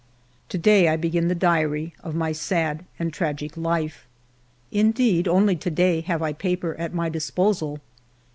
TO DAY I begin the diary of my sad and tragic life. Indeed, only to day have I paper at my disposal.